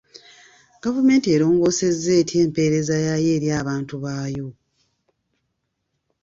Gavumenti erongoosezza etya empeereza yaayo eri abantu baayo?